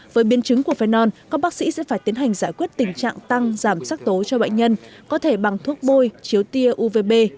với biên chứng của phenol các bác sĩ sẽ phải tiến hành giải quyết tình trạng tăng giảm sắc tố cho bệnh nhân có thể bằng thuốc bôi chiếu tia uvb